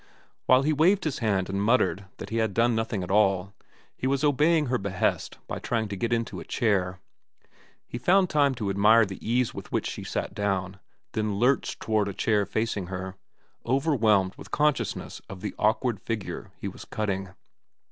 While he waved his hand and muttered that he had done nothing at all, he was obeying her behest by trying to get into a chair. He found time to admire the ease with which she sat down, then lurched toward a chair facing her, overwhelmed with consciousness of the awkward figure he was cutting.